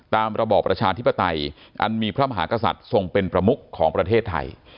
ระบอบประชาธิปไตยอันมีพระมหากษัตริย์ทรงเป็นประมุขของประเทศไทย